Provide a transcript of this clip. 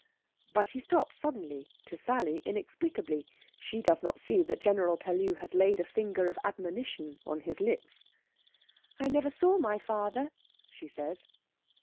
But he stops suddenly, to Sally inexplicably. She does not see that General Pellew has laid a finger of admonition on his lips. "I never saw my father," she says.